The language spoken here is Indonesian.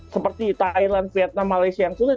seperti thailand vietnam malaysia yang sulit